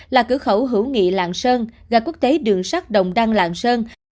là cửa khẩu hữu nghị lạng sơn gà quốc tế đường sắt đồng đăng lạng sơn